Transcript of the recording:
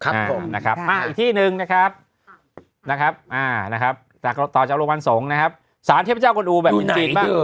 อีกที่หนึ่งนะครับต่อจากโรงพยาบาลสงศ์นะครับศาลเทพเจ้ากวนอูแบบจริงมาก